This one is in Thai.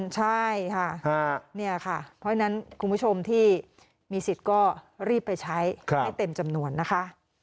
ใช่ค่ะเนี่ยค่ะเพราะฉะนั้นคุณผู้ชมที่มีสิทธิ์ก็รีบไปใช้ให้เต็มจำนวนนะคะ